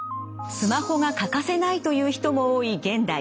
スマホが欠かせないという人も多い現代。